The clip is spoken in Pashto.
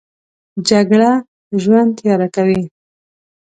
جګړه ژوند تیاره کوي